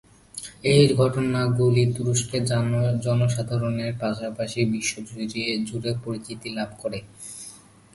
এই ঘটনাগুলি তুরস্কে জনসাধারণের পাশাপাশি বিশ্বজুড়ে পরিচিত হয়ে ওঠে।